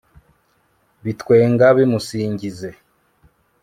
bitwenga bimusingize